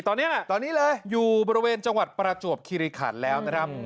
ตอนนี้แหละตอนนี้เลยอยู่บริเวณจังหวัดประจวบคิริขันแล้วนะครับ